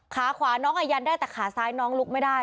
ขาขวาน้องอายันได้แต่ขาซ้ายน้องลุกไม่ได้